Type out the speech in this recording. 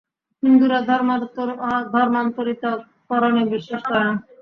হিন্দুরা ধর্মান্তরিত-করণে বিশ্বাস করে না।